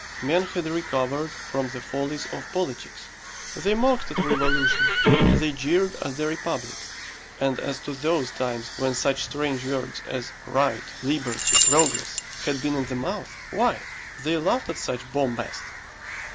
Men had recovered from the follies of politics. They mocked at revolution, they jeered at the republic, and as to those times when such strange words as Right, Liberty, Progress, had been in the mouth why, they laughed at such bombast!